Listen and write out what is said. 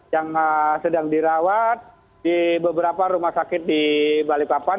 yang sedang dirawat di beberapa rumah sakit di balikpapan